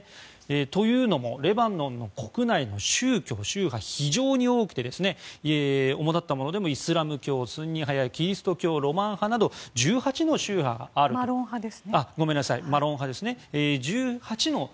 というのも、レバノンの国内の宗教、宗派は非常に多くて、主だったものでもイスラム教スンニ派やキリスト教マロン派など１８の宗派があるということです。